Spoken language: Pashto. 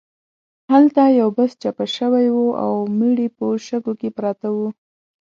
هلته یو بس چپه شوی و او مړي په شګو کې پراته وو.